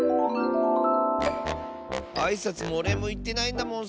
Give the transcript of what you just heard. あいさつもおれいもいってないんだもん